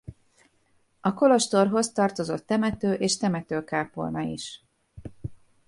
A kolostorhoz tartozott temető és temetőkápolna is.